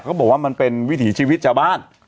เขาบอกว่ามันเป็นวิถีชีวิตชาวบ้าน